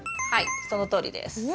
はいそのとおりです。